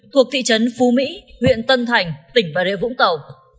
thuộc thị trấn phú mỹ huyện tân thành tỉnh bà rịa vũng tàu